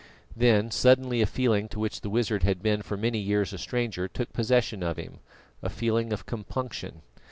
Then suddenly a feeling to which the wizard had been for many years a stranger took possession of him a feeling of compunction.